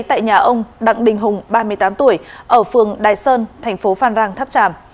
tại nhà ông đặng đình hùng ba mươi tám tuổi ở phường đài sơn thành phố phan rang tháp tràm